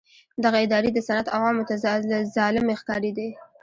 دغه ادارې د سند عوامو ته ظالمې ښکارېدې.